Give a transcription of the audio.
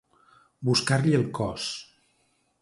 Buscar-li el cos.